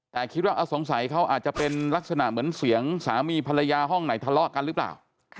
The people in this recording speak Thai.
แต่คิดว่าสงสัยเขาอาจจะเป็นลักษณะเหมือนเสียงสามีภรรยาห้องไหนทะเลาะกันหรือเปล่า